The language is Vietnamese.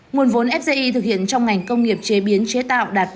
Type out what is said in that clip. nguồn vốn fge thực hiện trong ngành công nghiệp chế biến chế tạo đạt bốn chín